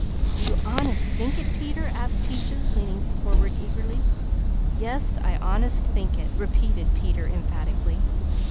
"Do you honest think it Peter?" asked Peaches, leaning forward eagerly. "Yes I honest think it," repeated Peter emphatically.